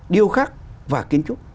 điêu khắc và kiến trúc